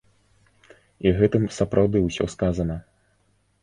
І гэтым сапраўды ўсё сказана.